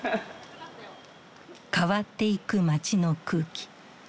変わっていく街の空気。